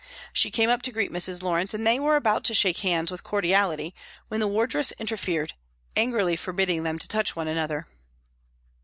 She came up to greet Mrs. Lawrence, and they were about to shake hands with cordiality when the wardress interfered, angrily forbidding them to touch one another.